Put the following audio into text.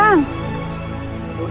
kita angkuri ini ke dia